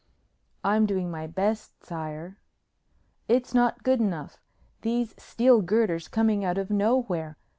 "I'm doing my best, sire " "It's not good enough! These steel girders coming out of nowhere!